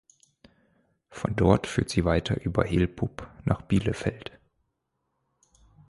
Von dort führt sie weiter über Helpup nach Bielefeld.